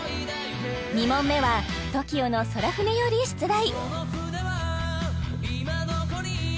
２問目はＴＯＫＩＯの「宙船」より出題